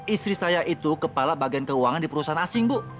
istri saya itu kepala bagian keuangan di perusahaan asing bu